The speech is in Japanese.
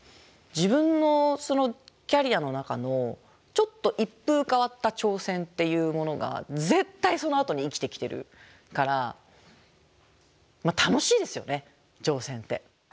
自分のキャリアの中のちょっと一風変わった挑戦っていうものが絶対そのあとに生きてきてるから楽しいですよね挑戦って。